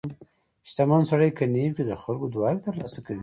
• شتمن سړی که نیک وي، د خلکو دعاوې ترلاسه کوي.